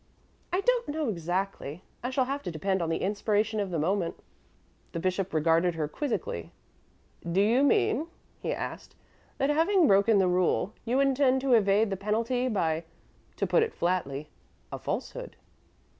"I don't know, exactly; I shall have to depend on the inspiration of the moment." The bishop regarded her quizzically. "Do you mean," he asked, "that, having broken the rule, you intend to evade the penalty by to put it flatly a falsehood?"